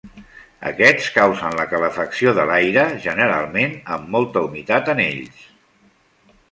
Aquests causen la calefacció de l'aire, generalment amb molta humitat en ells.